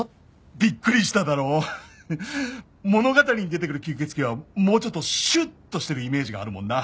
「びっくりしただろう」「物語に出てくる吸血鬼はもうちょっとシュッとしてるイメージがあるもんな」